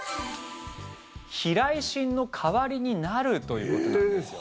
避雷針の代わりになるということなんです。